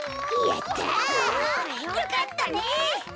よかったね！